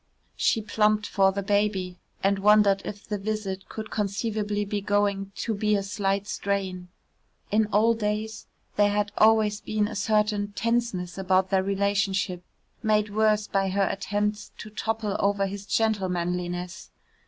She plumped for the baby, and wondered if the visit could conceivably be going to be a slight strain. In old days there had always been a certain tenseness about their relationship, made worse by her attempts to topple over his gentlemanliness.